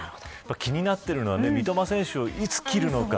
気になってるのは三笘選手いつ切るのか。